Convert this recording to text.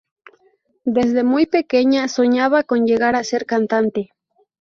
Desde muy pequeña soñaba con llegar a ser cantante.